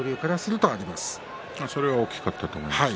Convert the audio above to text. それは大きかったと思います。